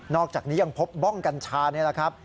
นอกจากนี้ยังพบบ้องกันชานะครับ